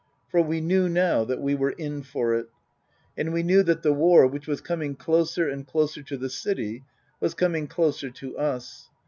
For we knew now that we were in for it. And we knew that the war, which was coming closer and closer to the city, was coming closer to us.